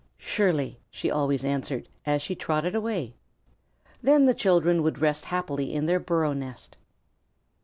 "Surely," she always answered as she trotted away. Then the children would rest happily in their burrow nest.